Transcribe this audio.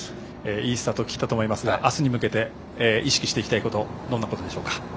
いいスタートを切ったと思いますが明日に向けて意識していきたいことどんなことですか。